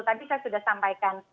tadi saya sudah sampaikan